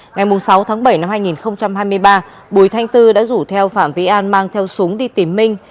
ngày sáu tháng bảy năm hai nghìn hai mươi ba bùi thanh tư đã rủ theo phạm vĩ an mang theo súng đi tìm minh